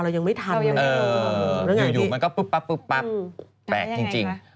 เรายังไม่ทันเลยเอออยู่อยู่มันก็ปุ๊บปั๊บปุ๊บปั๊บแปลกจริงจริง